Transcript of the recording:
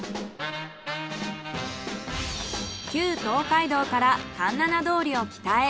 旧東海道から環七通りを北へ。